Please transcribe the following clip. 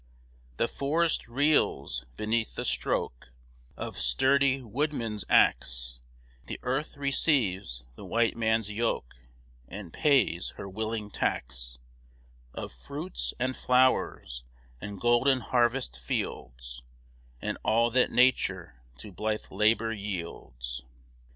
The forest reels beneath the stroke Of sturdy woodman's axe; The earth receives the white man's yoke, And pays her willing tax Of fruits, and flowers, and golden harvest fields, And all that nature to blithe labor yields.